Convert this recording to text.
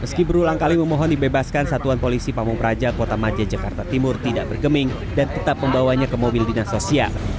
meski berulang kali memohon dibebaskan satuan polisi pamung praja kota maja jakarta timur tidak bergeming dan tetap membawanya ke mobil dinas sosial